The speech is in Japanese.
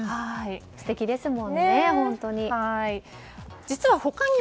素敵ですもんね、本当に。